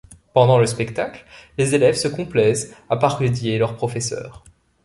Pendant le spectacle, les élèves se complaisent à parodier leurs professeurs.